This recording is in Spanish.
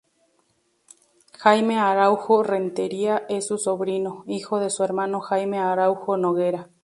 Jaime Araújo Rentería es su sobrino, hijo de su hermano Jaime Araújo Noguera.